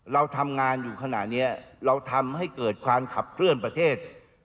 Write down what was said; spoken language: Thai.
เราทำงานอยู่ขณะนี้เราทำให้เกิดการขับเคลื่อนประเทศ